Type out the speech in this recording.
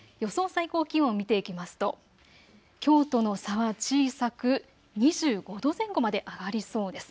最高気温を見ていきますときょうとの差は小さく２５度前後まで上がりそうです。